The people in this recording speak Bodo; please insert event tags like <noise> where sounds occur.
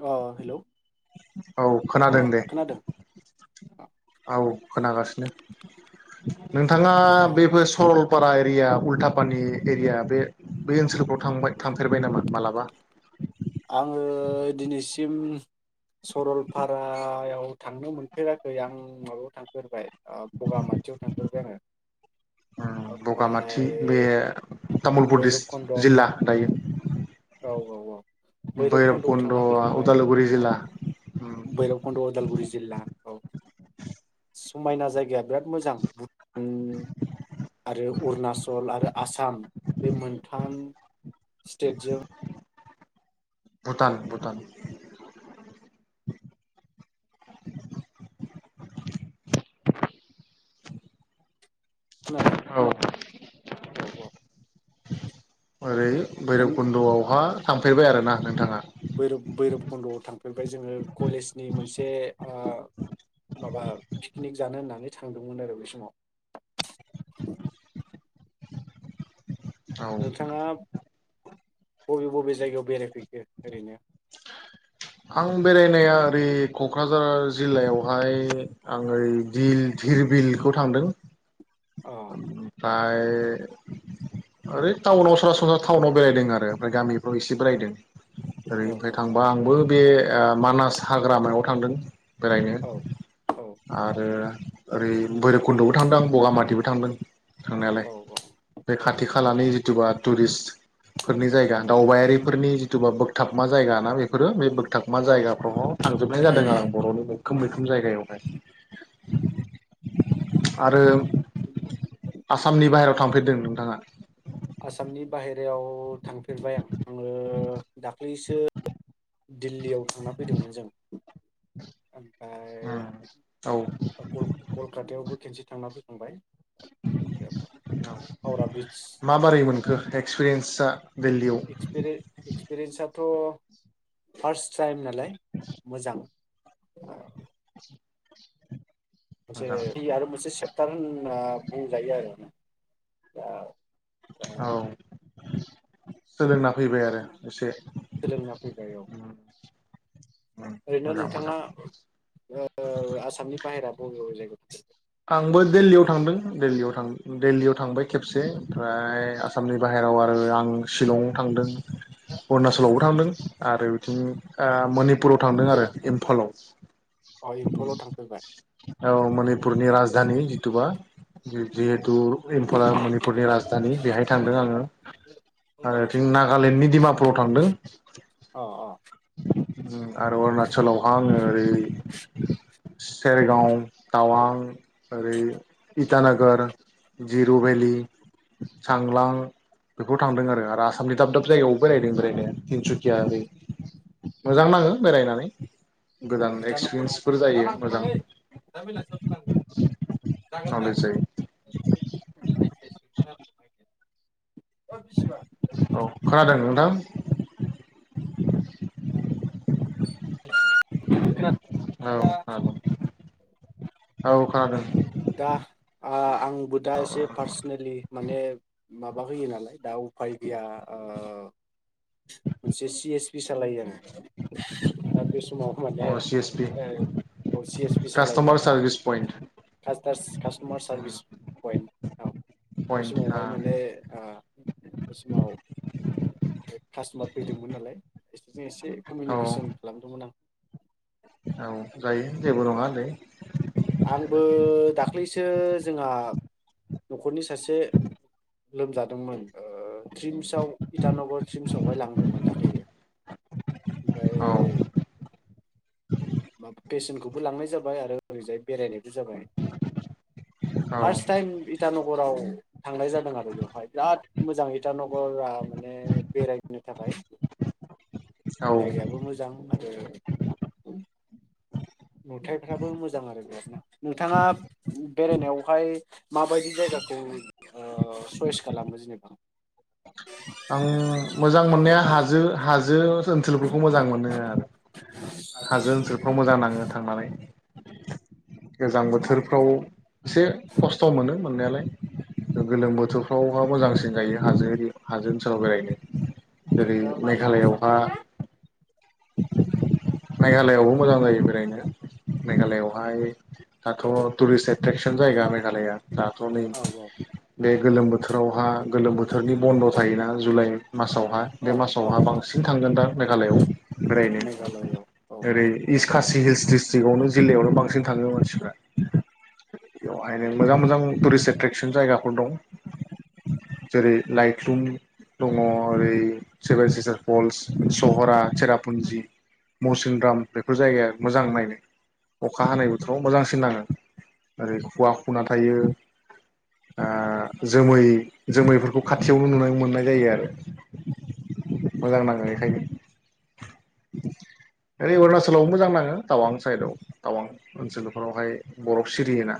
अ हेलौ औ अ खोनादों दे खोनादों औ खोनागासिनो <inaudible> नोंथाङा ओ बेबो सल बाराय एरिया उल्था पानि एरिया बे बे ओनसोलफ्राव थांबाय थांफेरबाय नामा माला बा आङो दिनैसिम सरलपारायाव थांनो मोनफेराखै आं माबायाव थांफेरबाय ओ बगामाथियाव थांफेरबाय आङो ओं बगामाथि ओमफ्राय बे तामुलपुर दिस भैरब कन्द' औ जिल्ला दायो औ औ भैरबकुन्द'आव भैरबकुन्द' थांना फैखांबाय उदालगुरि जिल्ला बैरबकुन्द उदालगुरि जिल्ला औ समायना जायगाया बिराद मोजां भुटान आरो अरुनाचल आरो आसाम बे मोनथाम स्टेटजों भुटान भुटान खोनादों औ औ औ ओरै दा बैरबखुन्दआवहा थांफेरबाय आरोना नोंथाङा बैरब बैरब खन्दआव थांफेरबाय जोङो कलेजनि मोनसे ओ माबा पिकनिक जानो होननानै थांदोंमोन आरो बे समाव औ नोंथाङा बबे बबे जायगायाव बेरायफैखो ओरैनो आं बेरायनाया ओरै कक्राझार जिल्लायावहाय आं ओरै दिर धिर बिलखौ थांदों अ उमफ्राय फाय ओरै टाउनाव सरासनस्रा टाउनाव बेरायदों आरो ओमफ्राय गामिफ्राव इसे बेरायदों औ-औ। बा आंबो बे ओ मानास हाग्रामायाव थांदों। बेरायनो औ औ आरो। ओरै भैरबकुन्दबो थांदों बगामातिबो थांदों। थांनायालाय औ बे औ खाथि खालानि जिथुबा टुरिस्टफोरनि जायगा औ दावबायारिफोरनि जि। दुबाब बोगथाबमा। जायगा ना बे? फोरो बे बोगथागमा औ जायगाफ्राव थांजोबनाय जादों आरो बर'नि <unintelligible> खोम जायगायावहाय आरो। उम। आसामनि बाहेरायाव थांफेरदों नोंथाङा? आसामनि बाहेरायाव थांफेरबाय आं आङो दाख्लैसो। दिल्लियाव थांना फैदोंमोन जों। <inaudible> ओमफ्राय औ कलकातायावबो खेबसे थांनानै फैखांबाय बेवहाय हावरा ब्रिज माबोरै मोनखो एक्सपिरियेन्सा दिल्लीयाव एक्सपिरियेन्स। थ' फार्स टाइम ना। लाय मोजां। <inaudible> मोनसे मोजां बि आरो मोनसे सेब। थान बुंबा बुंजायो आरो दा। दा औ। सोंलो ना। फैबाय आरो एसे। सोलोंना फैबाय औ ओरैनो मोजां मोजां नोंथाङा ओ आसामनि बाहेराव बबे बबे जायगायाव। <inaudible> आंबो दिल्लियाव थांदों दिल्लियाव थांदों दिल्लियाव थांबाय खेबसे। ओमफ्राय आसामनि बाहेराव आरो आं शिलं। थांदों। अरुणाचलावबो थांफेरखो? थांदों। आरो बिदिनो आ मणिपु। पुराव थांदों आरो जिरायफैथ' इम्फालाव अ इम्फलाव थांफेरबाय औ मनि। पुरनि राजधानि जितुबा <unintelligible> तु इम्फला मनिपुरनि राजधानि बेहाय थांदों आङो आरो थिं नागालेण्डनि दिडिमापुराव थांदों। अ आरो अरुणाचलावहा आङो ओरै सेरगाव, टावां ओरै इटानगर, जिरु भेलि, चांलां बेफोराव थांदों आरो आरो आसामनि दाब दाब जायगायाव। बेरायदों बोरायदों तिनसु। <unintelligible> मोजां नाङो बेरायनानै गोदान एक्सपिरियेन्सफोर जायो मोजां <unintelligible> नलेज जायो <inaudible> औ खोनादों नोंथां? <inaudible> औ औ औ खोनादों। दा आंबो दा एसे औ पार्सनेलि माने माबा होयो नालाय दा उफाय ओ गैया मोनसे सि एस पि सालायो आङो दा बे समाव माने अ सि एस पि ओ सि एस पि सालायो कास्ट'मार आरो सार्भिस पइन्ट <unintelligible> सार कास्ट'मार सारभिस पइन्ट औ बे पइन्ट समावहाय माने औ ओ बे समाव कास्ट'मार फैदोंमोन नालाय <inaudible> एसे कमिउनिकेसन खालामदोंमोन आं औ जायो जेबो औ नङा दैै आंबो दाख्लैसो जोंहा न'खरनि सासे लोमजादोंमोन ओ ट्रिम्सआव इटानगर ट्रिम्सआवहाय लांदोंमोन दाखाै औ ओमफ्राय म पेसेन्टखौबो लांनाय जाबाय आरो जाय बेरायनाय बि जाबाय फार्स्ट औ टाइम इटानगराव थांनाय जादों आरो बेवहाय बिराद मोजाङैटा नगरा माने बेरायनो थाखाय औ जायगायाबो मोजां आरो नुथायाइफ्राबो मोजां <inaudible> नोंथाङा बेरायनायावहाय माबायदि जायगाखौ ओ सयस खालामो जेनेबा? आं मोजां मोननाया हाजो हाजो ओनसोलफोरखौ मोजां मोनो आरो हाजो ओनसोलफ्राव मोजां नाङो थांनानै <inaudible> गोजां मानो बोथोरफ्राव मोजां एसे खस्थ' मोनो मोननायालाय गोलोम बोथोरफ्रावहा मोजांसिन जायो हाजो एरि आज सावगायनो जेरै नोंथाङा मानो मोजां मेघालयआवहा मोनो <inaudible> मेघालआवबो मोजां जायो बेरायनो मेघालयआवहाय दाथ' टुरिस्ट एट्रेकसन जायगा मेघालया दाथ' नै औ बे गोलोम बोथोरावहा गोलोम बोथोरनि बन्द' थायोना जुलाइ औ मासावहा बे औ औ मासावहा औ बांसिन थांगोनदां। मेघालआव बेरायनो मेघालयआव औ ओरै इसकासि सि हिल्स डिस्ट्रिक्आवनो जिल्लायावनो बांसिन थाङो मानसिफ्रा बेवहायनो मोजां मोजां टुरिस्ट एट्रेकसन जायगाफोर दं जेरै लाइक। ब्लुम दङ ओरै सेभेन सिटार फल्स सहरा सेरापुन्जि मौसिनराम। बेफोर जायगाया मोजां नायनो अखा हानाय बोथोराव मोजांसिन नाङो ओरै खुवा खुना थायो ओ-जोमै जोमैफोरखौ खा खाथियावबो नुनो मोननाय जायो आरो मोजां नाङो बेखायनो ओरै अरुणाचलावबो मोजां नाङो टावां साइदआव टावां ओनसोलफोरावहाय बरफ सिरियोना।